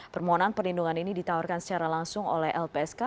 permohonan perlindungan ini ditawarkan secara langsung oleh lpsk